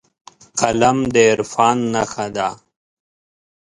قلم د عرفان نښه ده